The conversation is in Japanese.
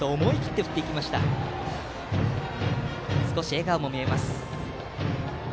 少し笑顔も見えます、宮川。